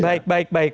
baik baik baik